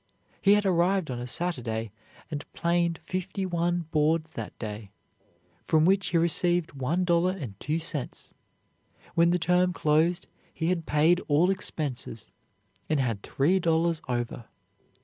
He had arrived on a Saturday and planed fifty one boards that day, for which he received one dollar and two cents. When the term closed, he had paid all expenses and had three dollars over.